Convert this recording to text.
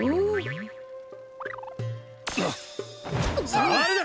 さわるな！